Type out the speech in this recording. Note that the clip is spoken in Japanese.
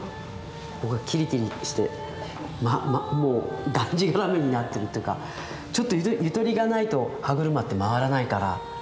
ここがキリキリしてもうがんじがらめになってるというかちょっとゆとりがないと歯車って回らないから。